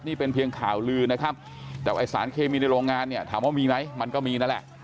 นี่เป็นเพียงข่าวลือนะครับแต่ไอ้สารเคมีในโรงงานเนี่ยถามว่ามีไหมมันก็มีนั่นแหละ